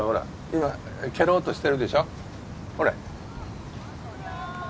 今蹴ろうとしてるでしょほれ